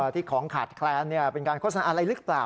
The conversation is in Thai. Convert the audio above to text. ที่ของขาดแคลนเป็นการโฆษณาอะไรหรือเปล่า